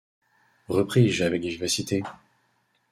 Repris-je avec vivacité.